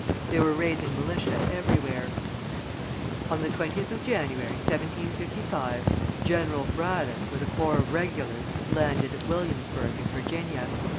They were raising militia everywhere. On the 20th of January, 1755, General Braddock with a corps of regulars landed at Williamsburg, in Virginia.